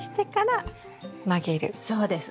そうです。